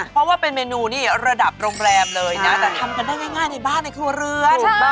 เพราะว่าเป็นเมนูนี่ระดับโรงแรมเลยนะแต่ทำกันได้ง่ายในบ้านในครัวเรือน